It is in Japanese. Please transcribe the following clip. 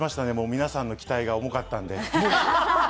皆さんの期待が大きかったんで。